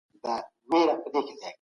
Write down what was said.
سیال هیواد صادراتي توکي نه منع کوي.